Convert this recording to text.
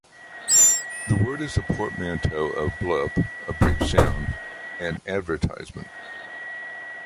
The word is a portmanteau of "blip", a brief sound, and "advertisement".